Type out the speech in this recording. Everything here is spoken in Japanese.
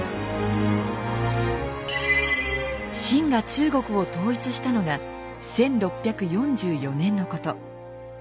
清が中国を統一したのが１６４４年のこと。